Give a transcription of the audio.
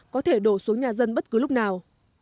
có thể đổ xuống nhà dân bất cứ lúc nào